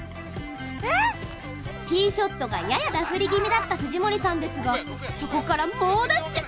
ティショットがややダフり気味だった藤森さんですがそこから猛ダッシュ！